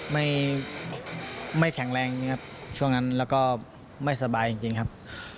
ไม่แข็งแรงครับช่วงนั้นแล้วก็ไม่สบายจริงครับ